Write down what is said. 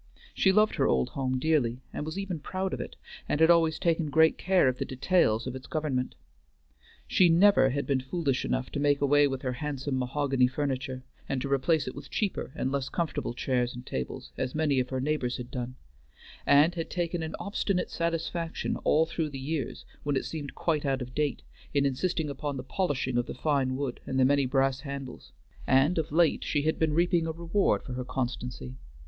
She loved her old home dearly, and was even proud of it, and had always taken great care of the details of its government. She never had been foolish enough to make away with her handsome mahogany furniture, and to replace it with cheaper and less comfortable chairs and tables, as many of her neighbors had done, and had taken an obstinate satisfaction all through the years when it seemed quite out of date, in insisting upon the polishing of the fine wood and the many brass handles, and of late she had been reaping a reward for her constancy.